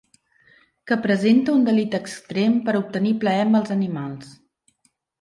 Que presenta un delit extrem per obtenir plaer amb els animals.